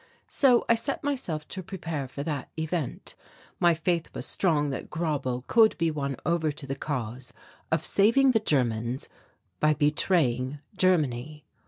So I set myself to prepare for that event. My faith was strong that Grauble could be won over to the cause of saving the Germans by betraying Germany.